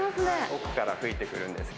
奥から吹いてくるんです